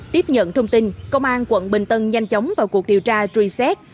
tiếp nhận thông tin công an quận bình tân nhanh chóng vào cuộc điều tra truy xét